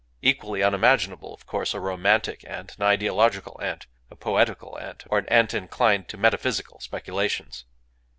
Equally unimaginable, of course, a romantic ant, an ideological ant, a poetical ant, or an ant inclined to metaphysical speculations.